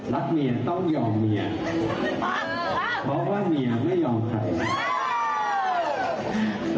รักเมียต้องยอมเมียเพราะว่าเมียไม่ยอมใคร